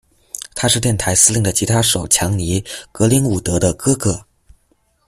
他是电台司令的吉他手强尼·格林伍德的哥哥。